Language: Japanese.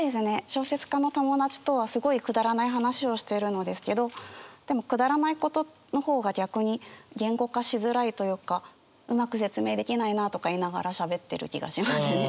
小説家の友達とはすごいくだらない話をしてるのですけどでもくだらないことの方が逆に言語化しづらいというかうまく説明できないなとか言いながらしゃべってる気がしますね。